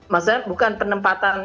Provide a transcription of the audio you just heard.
maksudnya bukan penempatan